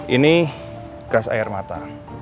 ini gas air mata